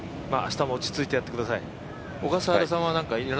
明日も落ち着いてやってください。